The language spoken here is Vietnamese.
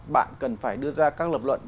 bạn cần phải đưa ra các lập luận